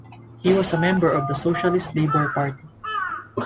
He was a member of the Socialist Labour Party.